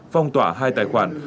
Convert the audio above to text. phong tỏa hai tài khoản